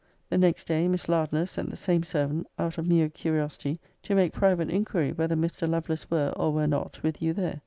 'The next day, Miss Lardner sent the same servant, out of mere curiosity, to make private in quiry whether Mr. Lovelace were, or were not, with you there.